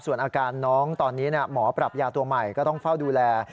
ส่วนอาการน้องตอนนี้หมอปรับยาตัวใหม่ก็ต้องเฝ้าดูแล